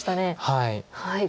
はい。